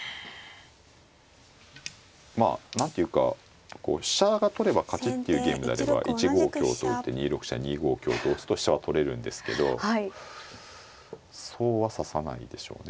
まあ何ていうか飛車が取れば勝ちっていうゲームであれば１五香と打って２六飛車２五香と打つと飛車は取れるんですけどそうは指さないでしょうね